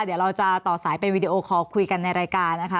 เดี๋ยวเราจะต่อสายเป็นวีดีโอคอลคุยกันในรายการนะคะ